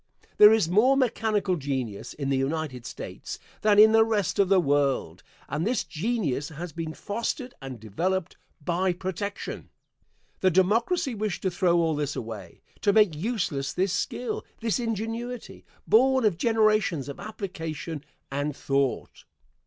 There is more mechanical genius in the United States than in the rest of the world, and this genius has been fostered and developed by protection. The Democracy wish to throw all this away to make useless this skill, this ingenuity, born of generations of application and thought.